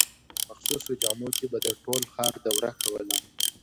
په مخصوصو جامو کې به د ټول ښار دوره کوله.